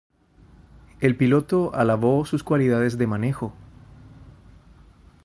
El piloto alabó sus cualidades de manejo.